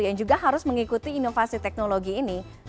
yang juga harus mengikuti inovasi teknologi ini